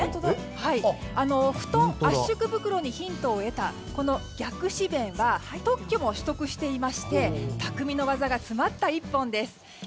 布団圧縮袋にヒントを得たこの逆止弁が特許も取得していまして匠の技が詰まった１本です。